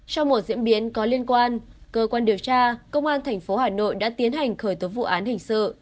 trong một diễn biến có liên quan cơ quan điều tra công an tp hà nội đã tiến hành khởi tố vụ án hình sự